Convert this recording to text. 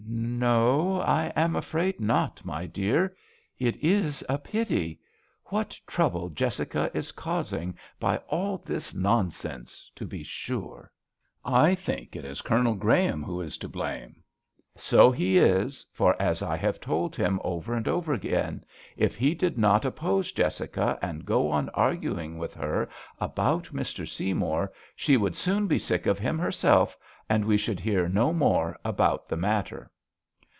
" No, I am afraid not, my dear. It is a pity. What trouble Jessica is causing by all this nonsense, to be sure I "" I think it is Colonel Graham who is to blame." " So he is ; for, as I have told him over and over again, if he did not oppose Jessica and go on arguing with her about Mr. Sey mour, she would soon be sick of him herself, and we should hear no more about the matter."